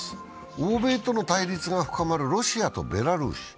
欧米との対立が深まるロシアとベラルーシ。